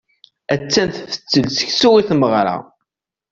Attan tfettel seksu i tmeɣra.